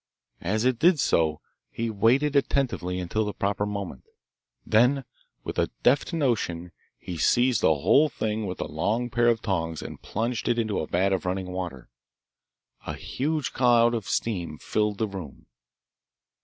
As it did so he waited attentively until the proper moment. Then with a deft motion he seized the whole thing with a long pair of tongs and plunged it into a vat of running water. A huge cloud of steam filled the room.